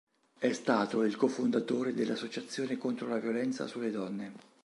È stato il cofondatore dell'associazione contro la violenza sulle donne.